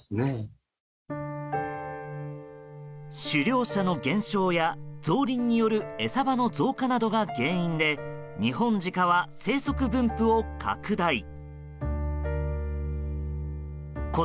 狩猟者の減少や、造林による餌場の増加などが原因でニホンジカは生息分布を拡大。